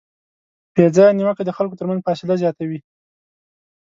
بېځایه نیوکه د خلکو ترمنځ فاصله زیاتوي.